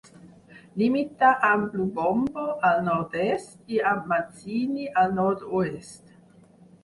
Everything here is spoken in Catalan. Limita amb Lubombo al nord-est i amb Manzini al nord-oest.